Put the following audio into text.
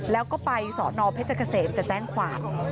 แล้วก็ไปสพเจ้าเกษมจะแจ้งความ